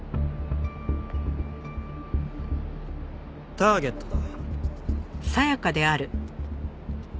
ターゲットだ。